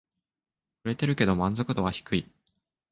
売れてるけど満足度は低い